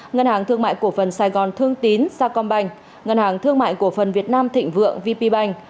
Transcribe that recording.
ngân hàng thương mại cổ phần sài gòn thương tín sacombank ngân hàng thương mại cổ phần việt nam thịnh vượng vp bank